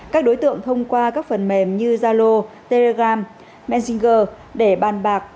các đối tượng thông qua các phần mềm như zalo telegram messenger để bàn bạc